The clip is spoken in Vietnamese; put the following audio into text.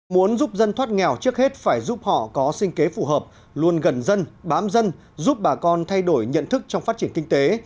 muốn giúp dân thoát nghèo trước hết phải giúp họ có sinh kế phù hợp luôn gần dân bám dân giúp bà con thay đổi nhận thức trong phát triển kinh tế